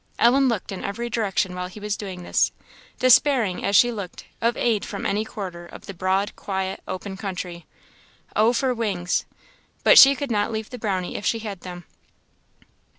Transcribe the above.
Ellen looked in every direction while he was doing this, despairing, as she looked, of aid from any quarter of the broad, quiet, open country. Oh, for wings! But she could not leave the Brownie if she had them.